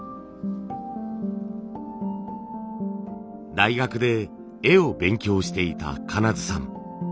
大学で絵を勉強していた金津さん。